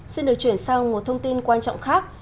xin được chuyển sang một thông tin quan trọng khác